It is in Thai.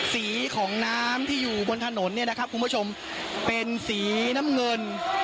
สีของน้ำที่อยู่บนถนนเนี่ยนะครับคุณผู้ชมเป็นสีน้ำเงิน